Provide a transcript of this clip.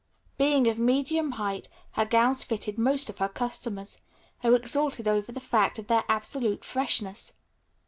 Being of medium height, her gowns fitted most of her customers, who exulted over the fact of their absolute freshness.